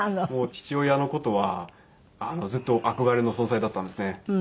父親の事はずっと憧れの存在だったんですね。